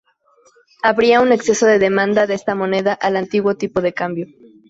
Habría un exceso de demanda de esta moneda al antiguo tipo de cambio.